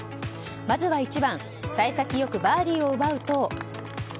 まずは１番、幸先よくバーディーを奪うと。